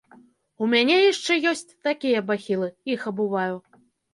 У мяне яшчэ ёсць такія бахілы, іх абуваю.